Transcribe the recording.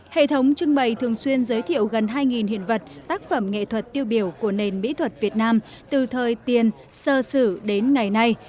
hệ thống trưng bày thường xuyên giới thiệu gần hai hiện vật tác phẩm nghệ thuật tiêu biểu của nền mỹ thuật việt nam từ thời tiền sơ sử đến ngày nay